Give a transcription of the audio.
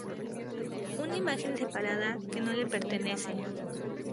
Una imagen separada, que no le pertenece.